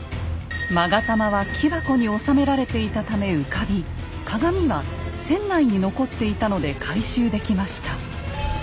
勾玉は木箱に納められていたため浮かび鏡は船内に残っていたので回収できました。